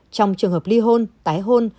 trong trường hợp ly hôn tái hôn